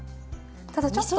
ただちょっと。